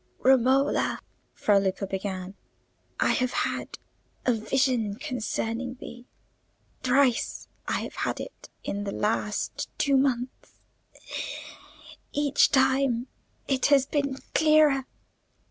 "Romola," Fra Luca began, "I have had a vision concerning thee. Thrice I have had it in the last two months: each time it has been clearer.